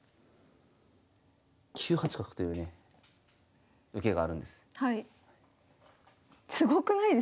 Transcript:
９八角というね受けがあるんです。